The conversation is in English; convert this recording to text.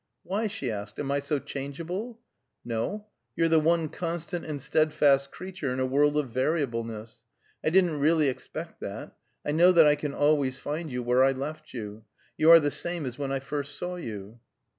"Why?" she asked. "Am I so changeable?" "No; you're the one constant and steadfast creature in a world of variableness. I didn't really expect that. I know that I can always find you where I left you. You are the same as when I first saw you."